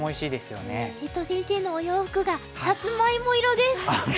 瀬戸先生のお洋服がサツマイモ色です！